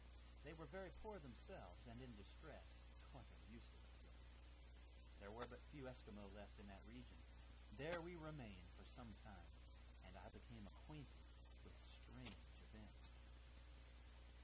They were very poor themselves, and in distress; 'twas a useless place. There were but few Esquimaux left in that region. There we remained for some time, and I became acquainted with strange events."